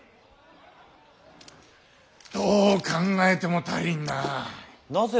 どう考えても足りんな。